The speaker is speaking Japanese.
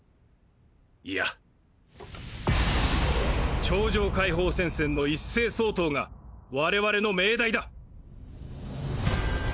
いや超常解放戦線の一斉掃討が我々の命題だ！